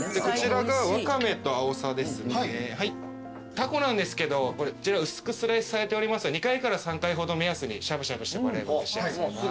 タコなんですけど薄くスライスされておりますので２回から３回ほど目安にしゃぶしゃぶしてもらえれば召し上がれます。